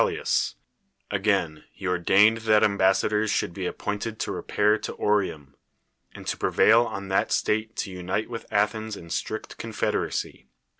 llias; again, he ordained that ambassadors shonld be appointed to repair to Oreum, and to ]>revail on that state to unite with Alliens in strict confederacy.